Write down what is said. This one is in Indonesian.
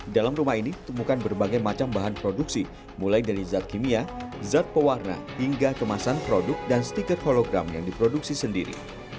dalam rumah ini ditemukan berbagai macam bahan produksi mulai dari zat kimia zat pewarna hingga kemasan produk dan stiker hologram yang diproduksi sendiri